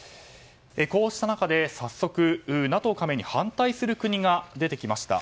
こうした中、早速ＮＡＴＯ加盟に反対する国が出てきました。